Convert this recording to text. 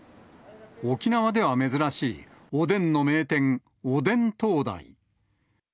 沖縄では珍しい、おでんの名店、おでん東大。